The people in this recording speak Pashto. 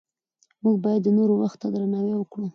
موږ باید د نورو وخت ته درناوی وکړو